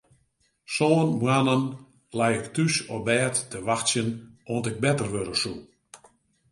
Sân moannen lei ik thús op bêd te wachtsjen oant ik better wurde soe.